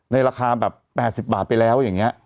ในราคาแบบ๘๐บาทไปแล้วยังไง